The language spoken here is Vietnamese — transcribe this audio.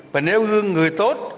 và nêu gương người tốt